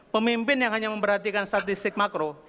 pemimpin yang hanya memperhatikan statistik makro